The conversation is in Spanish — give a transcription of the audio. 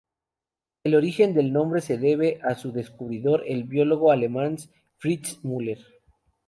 El origen del nombre se debe a su descubridor, el biólogo alemán Fritz Müller.